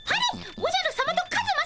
おじゃるさまとカズマさま